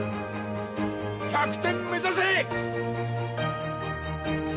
１００点目指せ！」